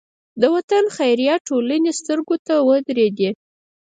د وطن خیریه ټولنې سترګو ته ودرېدې.